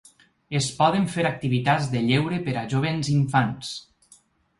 Es poden fer activitats de lleure per a joves i infants.